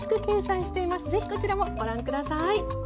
是非こちらもご覧下さい。